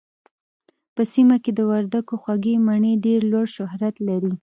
په سيمه کې د وردګو خوږې مڼې ډېر لوړ شهرت لري